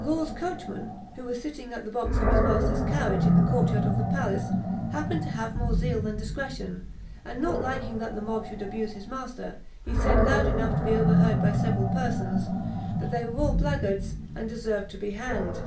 Law's coachman, who was sitting at the box of his master's carriage, in the court yard of the palace, happened to have more zeal than discretion, and, not liking that the mob should abuse his master, he said, loud enough to be overheard by several persons, that they were all blackguards, and deserved to be hanged.